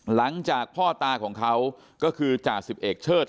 หลังจากพ่อตาของเขาก็คือจ